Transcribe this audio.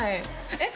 えっ！